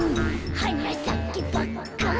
「はなさけパッカン」